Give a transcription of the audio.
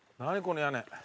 この屋根。